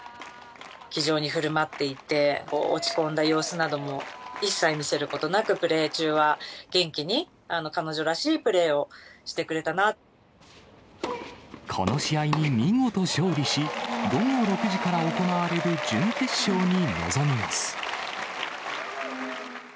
気丈にふるまっていて、落ち込んだ様子なども一切見せることなく、プレー中は元気に、この試合に見事勝利し、午後６時から行われる準決勝に臨みます。